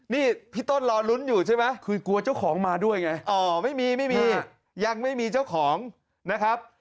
นี่พี่ต้นรอลุ้นอยู่ใช่ไหมคือกลัวเจ้าของมาด้วยไงอ๋อไม่มีไม่มียังไม่มีเจ้าของนะครับ